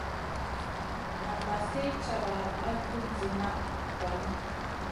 Nan ma sli cata a tun ziyna vanu.